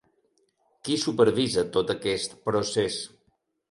Qui supervisa tot aquest procés?